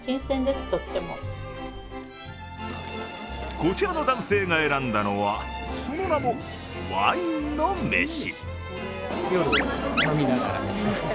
こちらの男性が選んだのは、その名も、ワインのめし。